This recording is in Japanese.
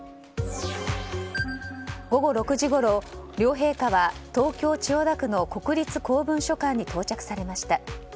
午後６時ごろ両陛下は東京・千代田区の国立公文書館に到着されました。